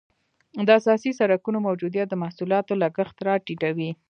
د اساسي سرکونو موجودیت د محصولاتو لګښت را ټیټوي